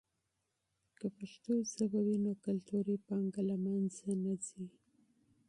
که پښتو ژبه وي، نو کلتوري پانګه له منځه نه ځي.